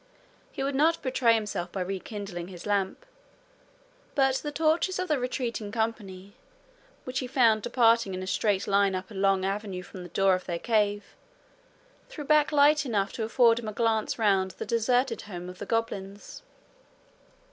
He would not betray himself by rekindling his lamp, but the torches of the retreating company, which he found departing in a straight line up a long avenue from the door of their cave, threw back light enough to afford him a glance round the deserted home of the goblins.